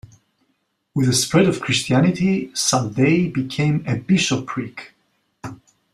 With the spread of Christianity, Saldae became a bishopric.